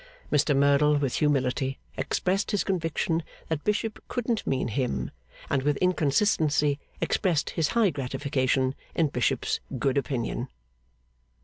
Mr Merdle with humility expressed his conviction that Bishop couldn't mean him, and with inconsistency expressed his high gratification in Bishop's good opinion.